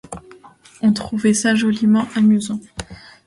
On trouvait ça joliment amusant.